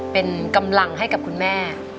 เป็นกำลังให้กับคุณแม่